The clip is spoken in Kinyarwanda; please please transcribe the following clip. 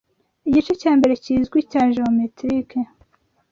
Igice cya mbere kizwi cya geometrike